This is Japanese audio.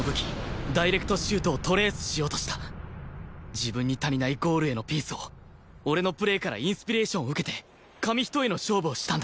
自分に足りないゴールへのピースを俺のプレーからインスピレーションを受けて紙一重の勝負をしたんだ